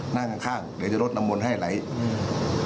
นั่งข้างข้างเดี๋ยวจะลดน้ำมนต์ให้อะไรอืม